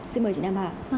xin mời chị nam hà